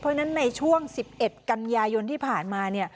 เพราะฉะนั้นในช่วง๑๑กันยายนที่ผ่านมา